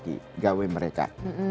di gawe mereka